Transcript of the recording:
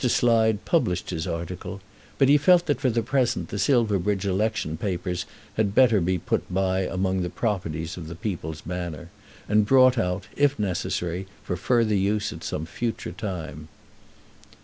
Slide published his article, but he felt that for the present the Silverbridge election papers had better be put by among the properties of the "People's Banner," and brought out, if necessary, for further use at some future time.